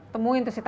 temuin tuh si tati